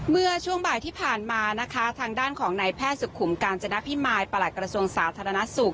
เมื่อช่วงบ่ายที่ผ่านมานะคะทางด้านของนายแพทย์สุขุมกาญจนพิมายประหลัดกระทรวงสาธารณสุข